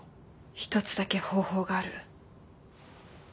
一つだけ方法がある。